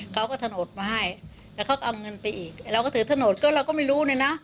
เขาก็ถนนมาให้แล้วเขาก็เอาเงินไปอีกเราก็ถือถนนก็เราก็ไม่รู้เนี่ยนะ